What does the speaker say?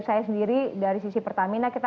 saya sendiri dari sisi pertamina kita